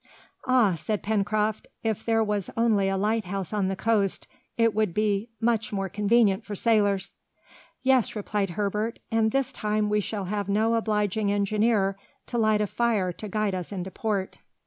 "Ah!" said Pencroft, "if there was only a light house on the coast, it would be much more convenient for sailors." "Yes," replied Herbert, "and this time we shall have no obliging engineer to light a fire to guide us into port!"